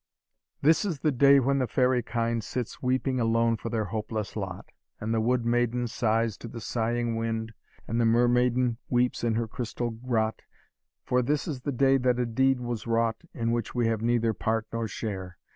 "This is the day when the fairy kind Sits weeping alone for their hopeless lot, And the wood maiden sighs to the sighing wind, And the mer maiden weeps in her crystal grot: For this is the day that a deed was wrought, In which we have neither part nor share.